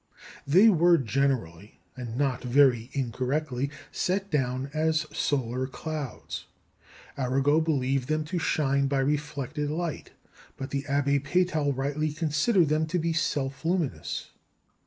They were generally, and not very incorrectly, set down as solar clouds. Arago believed them to shine by reflected light, but the Abbé Peytal rightly considered them to be self luminous.